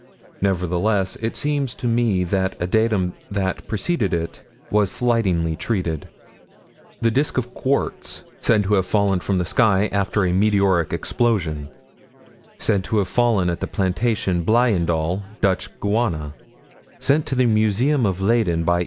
Nevertheless, it seems to me that a datum that preceded it was slightingly treated. The disk of quartz, said to have fallen from the sky, after a meteoric explosion: Said to have fallen at the plantation Bleijendal, Dutch Guiana: sent to the Museum of Leyden by M.